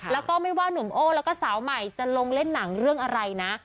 แล้วก็ไม่ว่าหนุ่มโอ้แล้วก็สาวใหม่จะลงเล่นหนังเรื่องอะไรนะ